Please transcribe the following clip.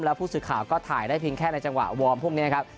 แล้วผู้สื่อข่าวก็ถ่ายได้เพียงแค่ในจังหวะวอร์มพวกนี้ครับ